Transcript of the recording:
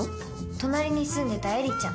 隣に住んでたエリちゃん。